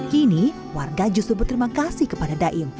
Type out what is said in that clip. kini warga justru berterima kasih kepada daim